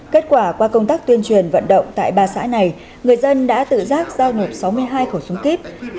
kết quả qua công tác tuyên truyền vận động tại ba xã này người dân đã tự giác giao nộp sáu mươi hai khẩu súng kíp